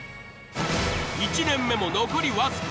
１年目も残りわずか。